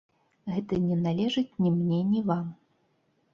Гэта не належыць ні мне, ні вам.